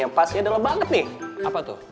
yang pasti adalah banget nih apa tuh